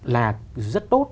là rất tốt